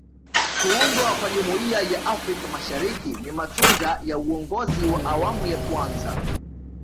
kuundwa kwa Jumuiya ya Afrika Mashariki ni matunda ya uongozi wa awamu ya kwanza